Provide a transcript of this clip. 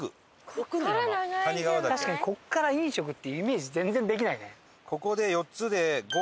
確かにここから飲食っていうイメージ全然できないね。